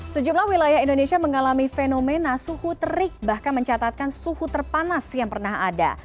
sejumlah wilayah indonesia mengalami fenomena suhu terik bahkan mencatatkan suhu terpanas yang pernah ada